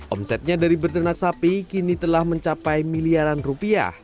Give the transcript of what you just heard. omsetnya dari berternak sapi kini telah mencapai miliaran rupiah